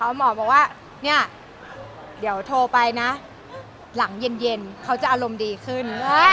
หมอบอกว่าเนี่ยเดี๋ยวโทรไปนะหลังเย็นเขาจะอารมณ์ดีขึ้น